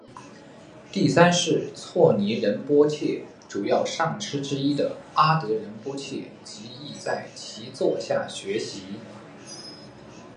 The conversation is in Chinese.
第三世措尼仁波切主要上师之一的阿德仁波切及亦在其座下学习。